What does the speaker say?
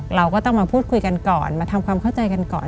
เราก็ต้องมาพูดคุยกันก่อนมาทำความเข้าใจกันก่อน